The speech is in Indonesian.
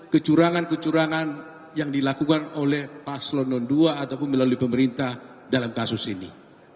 kecurangan kecurangan yang dilakukan oleh paslon dua ataupun melalui pemerintah dalam kasus ini